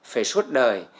phải suốt đời